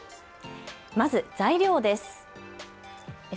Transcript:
まず材料です。